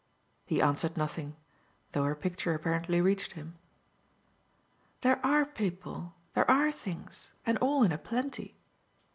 He answered nothing, though her picture apparently reached him. "There ARE people, there ARE things, and all in a plenty.